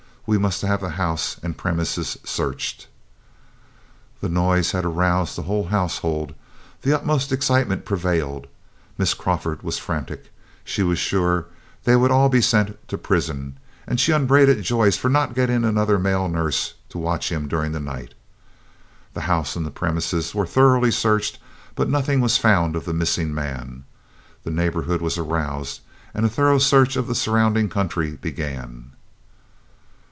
We must have the house and premises searched." The noise had aroused the whole household. The utmost excitement prevailed. Miss Crawford was frantic. She was sure they would all be sent to prison, and she upbraided Joyce for not getting another male nurse to watch him during the night. The house and the premises were thoroughly searched, but nothing was found of the missing man. The neighborhood was aroused and a thorough search of the surrounding country began.